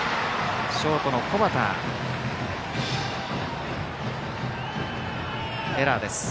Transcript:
ショートの小畑のエラーです。